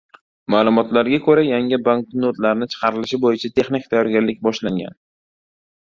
Maʼlumotlarga koʻra, yangi banknotlarning chiqarilishi boʻyicha texnik tayyorgarlik boshlangan.